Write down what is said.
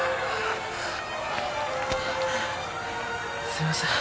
すいません。